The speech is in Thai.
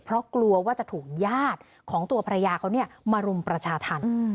เพราะกลัวว่าจะถูกญาติของตัวภรรยาเขามารุมประชาธรรม